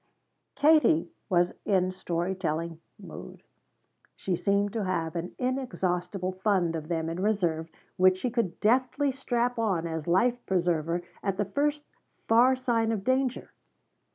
Katie was in story telling mood. She seemed to have an inexhaustible fund of them in reserve which she could deftly strap on as life preserver at the first far sign of danger.